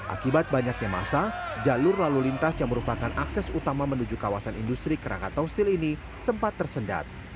akibat banyaknya masa jalur lalu lintas yang merupakan akses utama menuju kawasan industri kerangka tau steel ini sempat tersendat